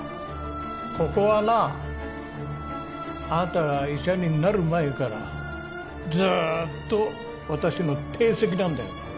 ここはなあなたが医者になる前からずっと私の定席なんだよ